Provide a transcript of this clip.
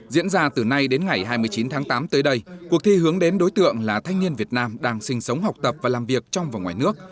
diễn ra từ nay đến ngày hai mươi chín tháng tám tới đây cuộc thi hướng đến đối tượng là thanh niên việt nam đang sinh sống học tập và làm việc trong và ngoài nước